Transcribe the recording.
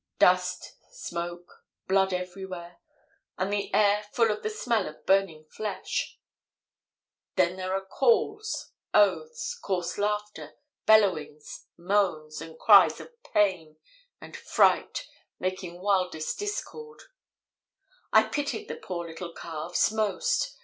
"Dust, smoke, blood everywhere, and the air full of the smell of burning flesh. "Then there are calls, oaths, coarse laughter, bellowings, moans and cries of pain and fright, making wildest discord. "I pitied the poor little calves most.